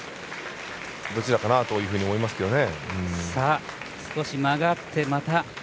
どちらかなというふうに思いますけどね。